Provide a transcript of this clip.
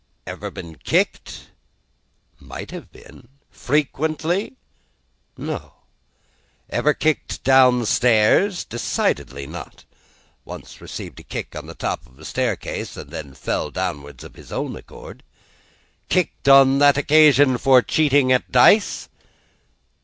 Ever been kicked? Might have been. Frequently? No. Ever kicked downstairs? Decidedly not; once received a kick on the top of a staircase, and fell downstairs of his own accord. Kicked on that occasion for cheating at dice?